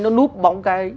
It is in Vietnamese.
nó núp bóng cái